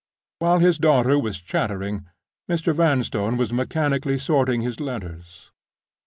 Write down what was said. While his daughter was chattering, Mr. Vanstone was mechanically sorting his letters.